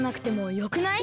よくない！